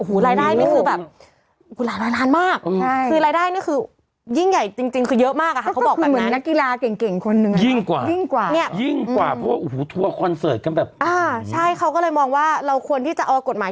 อูหูรายได้นี่คือแบบหลายล้านมาก